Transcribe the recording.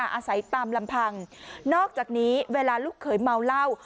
อาศัยตามลำพังนอกจากนี้เวลาลูกเขยเมาเหล้า